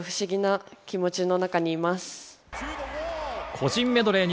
個人メドレー２